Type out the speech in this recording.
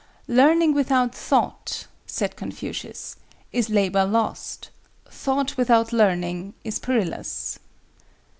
"Learning without thought," said Confucius, "is labor lost: thought without learning is perilous."